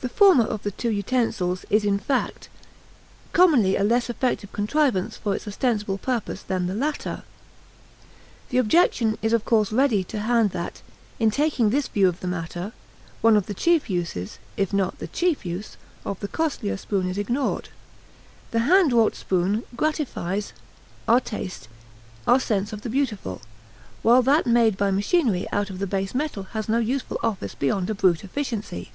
The former of the two utensils is, in fact, commonly a less effective contrivance for its ostensible purpose than the latter. The objection is of course ready to hand that, in taking this view of the matter, one of the chief uses, if not the chief use, of the costlier spoon is ignored; the hand wrought spoon gratifies our taste, our sense of the beautiful, while that made by machinery out of the base metal has no useful office beyond a brute efficiency.